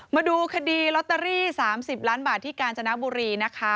มาดูคดีลอตเตอรี่๓๐ล้านบาทที่กาญจนบุรีนะคะ